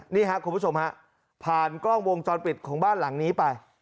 นี่ครับคุณผู้ชมฮะผ่านกล้องวงจรปิดของบ้านหลังนี้ไป